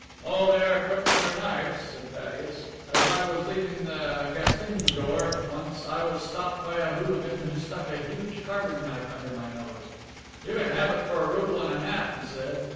"Oh, they are quick with their knives," said Thaddeus. "As I was leaving Gastinidvor once I was stopped by a hooligan who stuck a huge carving knife under my nose. 'You can have it for a rouble and a half,' he said.